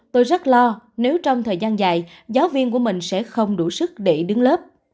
tôi rất lo nếu trong thời gian dài giáo viên của mình sẽ không đủ sức để đứng lớp